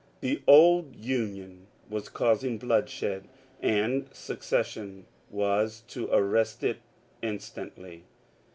The old Union was causing bloodshed and secession was to arrest it instantly.